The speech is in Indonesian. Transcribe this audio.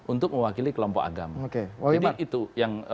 untuk mewakili kelompok agama